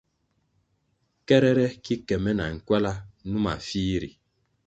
Kerere ki ke me na nkywala numa fih ri.